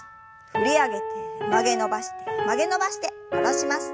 振り上げて曲げ伸ばして曲げ伸ばして戻します。